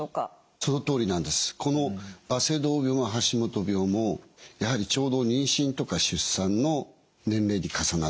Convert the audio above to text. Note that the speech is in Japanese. このバセドウ病も橋本病もやはりちょうど妊娠とか出産の年齢に重なるんですね。